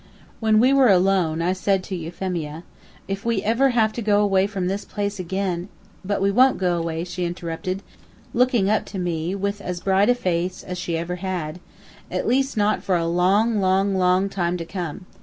When we were alone, I said to Euphemia: "If we ever have to go away from this place again " "But we wont go away," she interrupted, looking up to me with as bright a face as she ever had, "at least not for a long, long, long time to come.